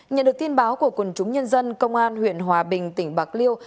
nhận được tin báo của quần chúng nhân dân công an huyện hòa bình tỉnh bạc liêu